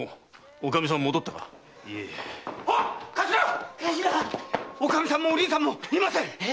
おかみさんもお凛さんもいません！